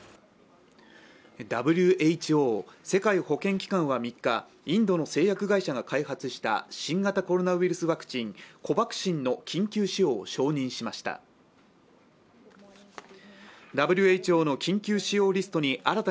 ＷＨＯ＝世界保健機関は３日インドの製薬会社が開発した新型コロナウイルスワクチン、コバクシンの緊急使用を承認しました。